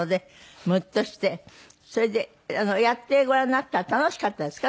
それでやってごらんになったら楽しかったですか？